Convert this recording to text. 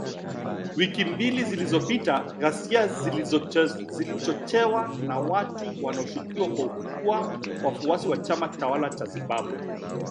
Wiki mbili zilizopita, ghasia zilizochochewa na watu wanaoshukiwa kuwa wafuasi wa chama tawala cha Zimbabwe